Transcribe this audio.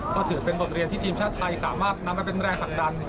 ก็ถือเป็นบทเรียนที่ทีมชาติไทยสามารถนำไปเป็นแรงผลักดัน